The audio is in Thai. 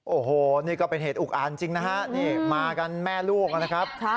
โอ้โหนี่ก็เป็นเหตุอุกอ่านจริงนะฮะนี่มากันแม่ลูกนะครับ